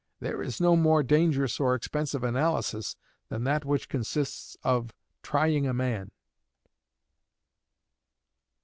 There is no more dangerous or expensive analysis than that which consists of trying a man.'"